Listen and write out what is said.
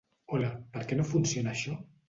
Hola! Per què no funciona això?